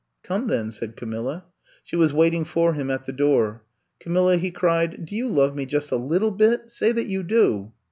"Come then," said Camilla. She was waiting for him at the door. Camilla," he cried, do you love me just a little bit t Say that you do.